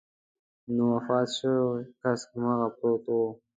نو وفات شوی کس هماغسې پروت و.